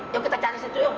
yuk kita cari situ yuk